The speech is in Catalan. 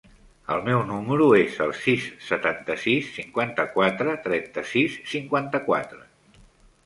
El meu número es el sis, setanta-sis, cinquanta-quatre, trenta-sis, cinquanta-quatre.